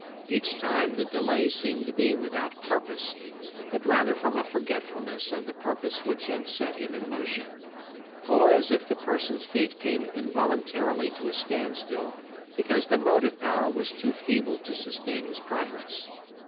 Each time, the delay seemed to be without purpose, but rather from a forgetfulness of the purpose which had set him in motion, or as if the person's feet came involuntarily to a stand still because the motive power was too feeble to sustain his progress.